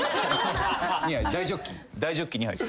大ジョッキ２杯。